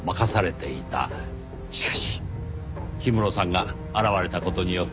しかし氷室さんが現れた事によって。